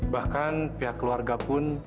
bahkan pihak keluarga pun